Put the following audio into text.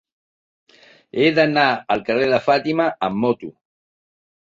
He d'anar al carrer de Fàtima amb moto.